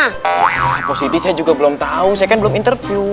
ah positi saya juga belum tau saya kan belum interview